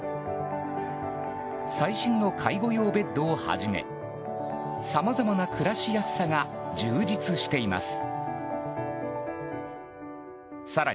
最新の介護用ベッドをはじめさまざまな暮らしやすさが充実しています。